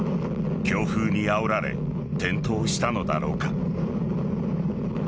強風にあおられ転倒したのだろうか。